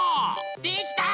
できた！